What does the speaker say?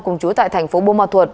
cùng chú tại tp bô mò thuột